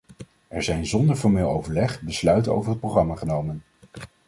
Er zijn zonder formeel overleg besluiten over het programma genomen.